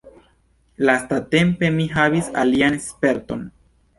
Lastatempe mi havis alian sperton.